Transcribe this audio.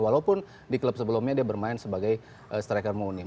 walaupun di klub sebelumnya dia bermain sebagai striker moony